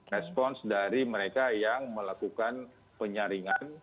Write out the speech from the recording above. respons dari mereka yang melakukan penyaringan